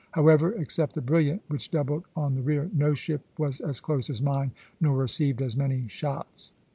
However, except the 'Brilliant,' which doubled on the rear, no ship was as close as mine, nor received as many shots."